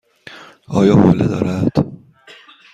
آیا حوله دارد؟